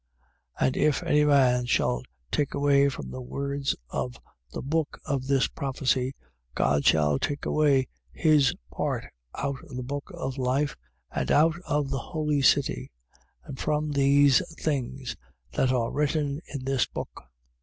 22:19. And if any man shall take away from the words of the book of this prophecy, God shall take away his part out of the book of life, and out of the holy city, and from these things that are written in this book.